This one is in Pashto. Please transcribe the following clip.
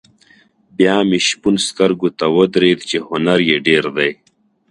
بیا مې شپون سترګو ته ودرېد چې هنر یې ډېر دی.